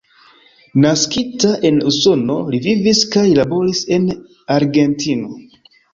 Naskita en Usono, li vivis kaj laboris en Argentino.